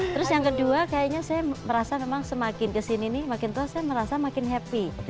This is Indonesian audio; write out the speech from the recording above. terus yang kedua kayaknya saya merasa memang semakin kesini nih makin tua saya merasa makin happy